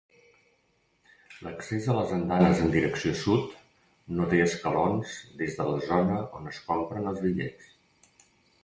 L'accés a les andanes en direcció sud no té escalons des de la zona on es compren els bitllets.